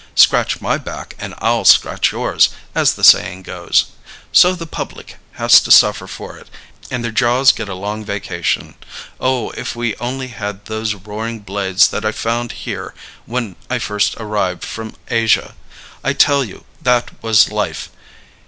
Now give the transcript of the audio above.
'Scratch my back and I'll scratch yours,' as the saying goes. So the public has to suffer for it and their jaws get a long vacation. Oh, if we only had those roaring blades that I found here when I first arrived from Asia! I tell you, that was life!